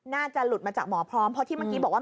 น่าจะหลุดมาจากหมอพร้อมเพราะที่เมื่อกี้บอกว่า